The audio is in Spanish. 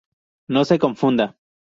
No se confunda!